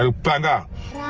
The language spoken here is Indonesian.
nah oh nah jenay ngomong